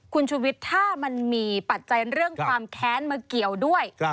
คุณชุวิตถ้ามันมีปัจจัยเรื่องความแค้นมาเกี่ยวด้วย